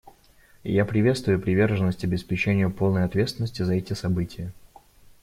И я приветствую приверженность обеспечению полной ответственности за эти события.